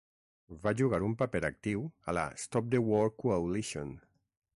Va jugar un paper actiu a la Stop the War Coalition.